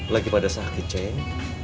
lagi pada sakit ceng